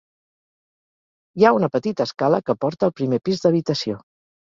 Hi ha una petita escala que porta al primer pis d'habitació.